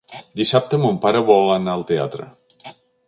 Dissabte mon pare vol anar al teatre.